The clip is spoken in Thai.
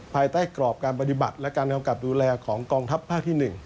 ภายใต้กรอบการปฏิบัติและการกำกับดูแลของกองทัพภาคที่๑